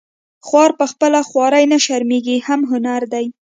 خوار په خپله خواري نه شرمیږي هم هنري دی